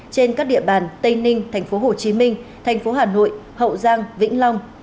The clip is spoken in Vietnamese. trên các địa bàn tây ninh thành phố hồ chí minh thành phố hà nội hậu giang vĩnh long